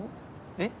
えっ？